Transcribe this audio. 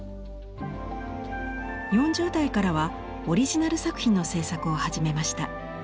４０代からはオリジナル作品の制作を始めました。